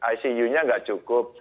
icu nya enggak cukup